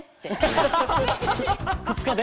２日で？